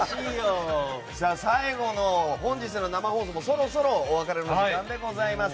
最後の、本日の生放送もそろそろお別れの時間です。